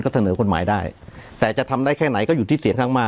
เสนอกฎหมายได้แต่จะทำได้แค่ไหนก็อยู่ที่เสียงข้างมาก